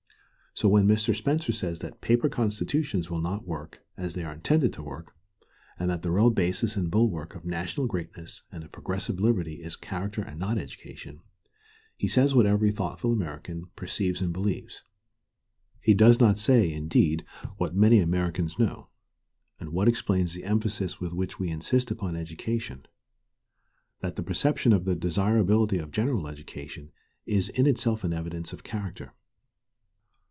So when Mr. Spencer says that paper constitutions will not work as they are intended to work, and that the real basis and bulwark of national greatness and of progressive liberty is character and not education, he says what every thoughtful American perceives and believes. He does not say, indeed, what many Americans know, and what explains the emphasis with which we insist upon education, that the perception of the desirability of general education is in itself an evidence of character.